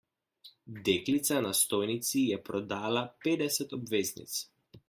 Deklica na stojnici je prodala petdeset obveznic.